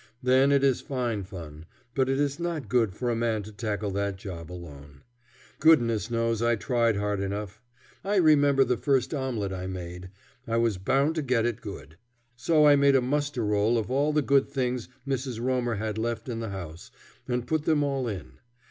Then it is fine fun; but it is not good for man to tackle that job alone. Goodness knows I tried hard enough. I remember the first omelet I made. I was bound to get it good. So I made a muster roll of all the good things Mrs. Romer had left in the house, and put them all in.